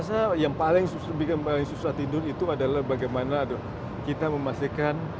saya rasa yang paling susah tidur itu adalah bagaimana kita memastikan